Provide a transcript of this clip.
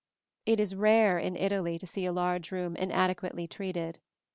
It is rare in Italy to see a large room inadequately treated.